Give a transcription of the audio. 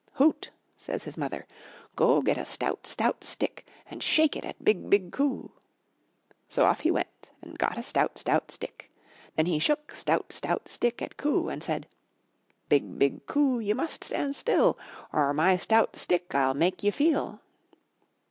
'' *'Hout!" says his mother. ''Go get a stout, stout stick and shake it at BIG, BIG COO." So off he went and got a stout, stout stick. Then he shook stout, stout stick at COO and said: ''BIG, BIG COO, ye must stand still, Or my stout stick I'll make ye feel."